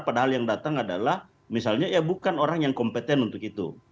padahal yang datang adalah misalnya ya bukan orang yang kompeten untuk itu